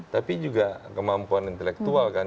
tapi juga kemampuan intelektual kan